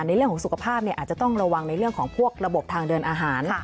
ในเรื่องของสุขภาพอาจจะต้องระวังในเรื่องของพวกระบบทางเดินอาหาร